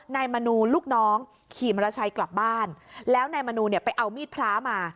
นายมณูลูกน้องขีบมรชัยกลับบ้านแล้วนายมณูเนี่ยไปเอามีดพระมา